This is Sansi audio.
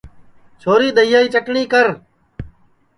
چھوری دؔئیا کی چٹٹؔی کر